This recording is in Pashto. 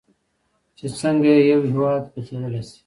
چې څنګه یو هیواد بدلیدلی شي.